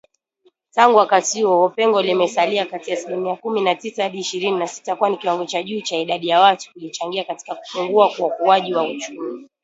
Tangu wakati huo, pengo limesalia kati ya asilimia kumi na tisa hadi ishirini na sita, kwani kiwango cha juu cha idadi ya watu kilichangia katika kupungua kwa ukuaji wa uchumi